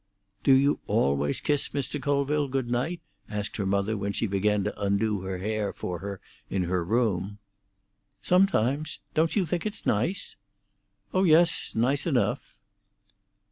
"Do you always kiss Mr. Colville good night?" asked her mother when she began to undo her hair for her in her room. "Sometimes. Don't you think it's nice?" "Oh yes; nice enough."